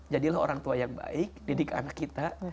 jadilah orang tua yang baik didik anak kita